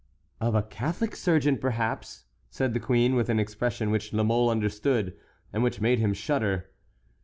"Of a Catholic surgeon, perhaps," said the queen, with an expression which La Mole understood and which made him shudder.